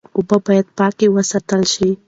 اوبه باید پاکې وساتل شي.